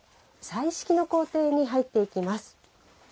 彩色の工程に入っていきます。